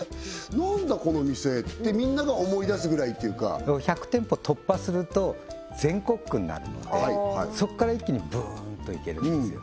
何だこの店ってみんなが思いだすぐらいっていうか１００店舗突破すると全国区になるのでそこから一気にブーンといけるんですよね